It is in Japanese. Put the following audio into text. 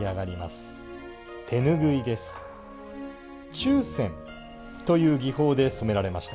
「注染」という技法で染められました。